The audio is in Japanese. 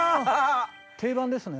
定番ですね。